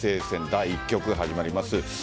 第１局、始まります。